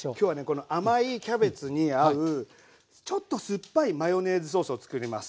この甘いキャベツに合うちょっとすっぱいマヨネーズソースを作ります。